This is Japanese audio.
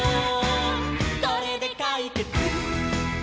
「これでかいけつ！」